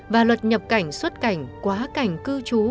và luật nhập cảnh xuất cảnh quá cảnh cư trú